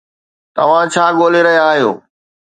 توهان ڇا ڳولي رهيا آهيو؟